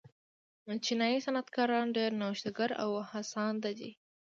چینايي صنعتکاران ډېر نوښتګر او هڅاند دي.